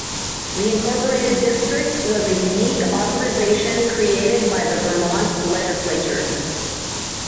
The Incorporated District was a unique authorization created by the Vermont legislature.